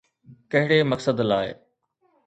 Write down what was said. ڪهڙي مقصد لاءِ؟